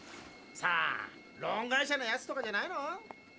さあローン会社のやつとかじゃないの？